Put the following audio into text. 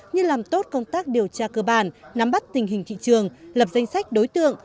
như làm tốt công tác điều tra cơ bản nắm bắt tình hình thị trường lập danh sách đối tượng